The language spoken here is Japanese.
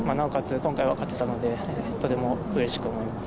今回は勝てたのでとてもうれしく思います。